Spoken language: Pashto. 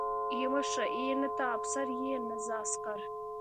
ای مشره ای نه ته افسر يې نه زه عسکر.